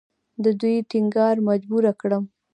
د دوی ټینګار مجبوره کړم.